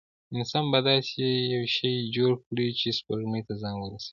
انسان به داسې یو شی جوړ کړي چې سپوږمۍ ته ځان ورسوي.